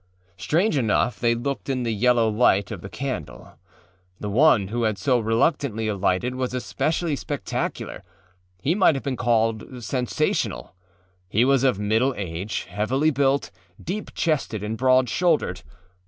Strange enough they looked in the yellow light of the candle. The one who had so reluctantly alighted was especially spectacularâhe might have been called sensational. He was of middle age, heavily built, deep chested and broad shouldered.